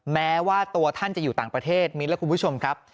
แม้ว่าตัวท่านจะอยู่ต่างประเทศมิ้นและคุณผู้ชมครับ